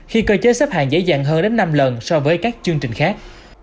khi cơ chế xếp hàng dễ dàng hơn đến năm lần so với các chương trình khác